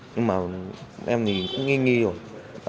nhưng mà em thì cũng nghi nghi rồi